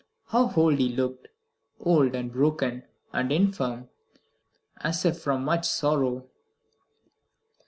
How old he looked! Old, and broken, and infirm, as if from much sorrow.